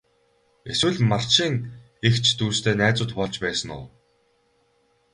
Эсвэл Марчийн эгч дүүстэй найзууд болж байсан уу?